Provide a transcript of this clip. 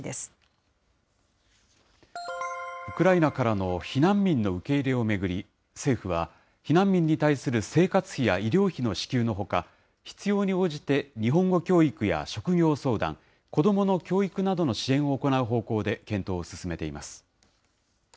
ウクライナからの避難民の受け入れを巡り、政府は、避難民に対する生活費や医療費の支給のほか、必要に応じて日本語教育や職業相談、子どもの教育などの支援を行う方向で検討を進めています。